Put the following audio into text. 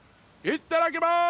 いただきます！